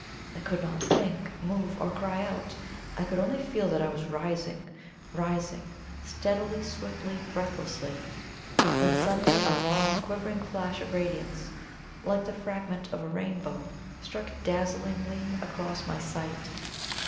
I could not think, move, or cry out I could only feel that I was rising, rising, steadily, swiftly, breathlessly ... when suddenly a long quivering flash of radiance, like the fragment of a rainbow, struck dazzlingly across my sight.